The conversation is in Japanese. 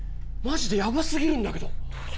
マジでやばすぎるんだけど。